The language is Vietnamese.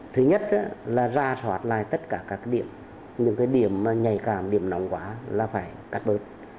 thứ nhất là ra soát lại tất cả các điểm nhạy cảm điểm nóng quá là phải cắt bớt